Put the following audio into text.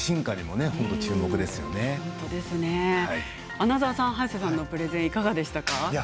穴澤さん、早瀬さんのプレゼンいかがでしたか？